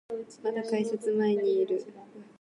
まだ改札前にいる